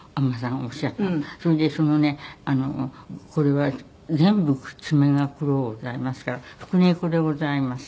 それで「これは全部爪が黒うございますから福猫でございます」。